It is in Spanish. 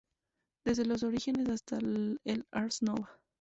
Desde los orígenes hasta el ars nova.